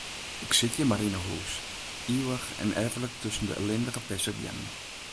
Ik sit hjir mar yn 'e hûs, ivich en erflik tusken dy ellindige perzikbeammen.